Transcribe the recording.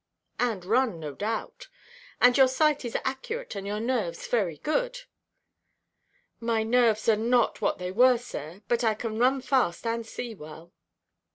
"And run, no doubt? And your sight is accurate, and your nerves very good?" "My nerves are not what they were, sir; but I can run fast and see well."